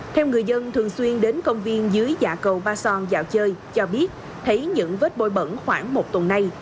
theo người dân thường xuyên đến công viên dưới dạ cầu ba son dạo chơi cho biết thấy những vết bôi bẩn khoảng một tuần nay